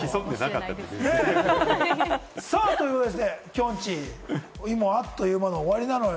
きょんちぃ、あっという間に終わりなのよ。